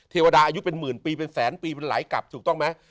เทวดาอายุเป็นหมื่นปีเป็นแสนปีเป็นไหลกลับถูกต้องไหม